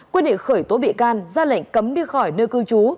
quyết định khởi tố bị can ra lệnh cấm đi khỏi nơi cư trú